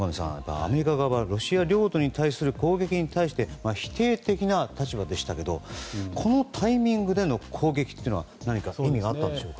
アメリカ側はロシア領土への攻撃に対して否定的な立場でしたけどもこのタイミングでの攻撃というのは何か意味があったんでしょうか。